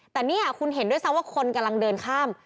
แต่นี่คุณเห็นด้วยซ้ำว่าคนกำลังเดินข้าม